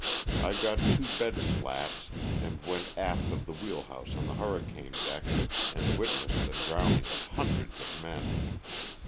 I got two bed slats and went aft of the wheelhouse on the hurricane deck, and wit nessed the drowning of hundreds of men.